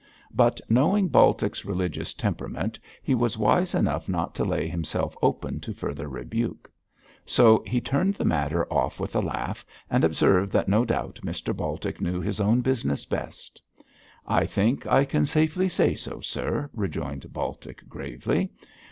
But knowing Baltic's religious temperament, he was wise enough not to lay himself open to further rebuke; so he turned the matter off with a laugh, and observed that no doubt Mr Baltic knew his own business best. 'I think I can safely say so, sir,' rejoined Baltic, gravely.